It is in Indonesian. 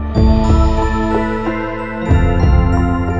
sama si belum